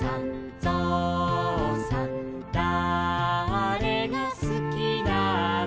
ぞうさんだれがすきなの」